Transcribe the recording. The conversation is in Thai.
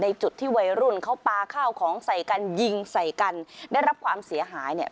จุดที่วัยรุ่นเขาปลาข้าวของใส่กันยิงใส่กันได้รับความเสียหายเนี่ย